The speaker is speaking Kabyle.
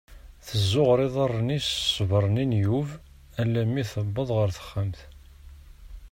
Teẓuɣer iḍaren-is s sber-nni n Yub alammi i tewweḍ ɣer texxamt.